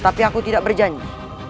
tapi aku tidak berjanji